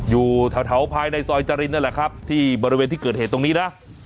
อยู่แถวภายในซอยจรินนั่นแหละครับที่บริเวณที่เกิดเหตุตรงนี้นะ